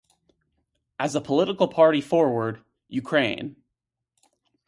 As a political party Forward, Ukraine!